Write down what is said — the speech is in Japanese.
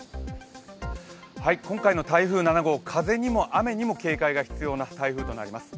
今回の台風７号、風にも雨にも警戒が必要な台風になります。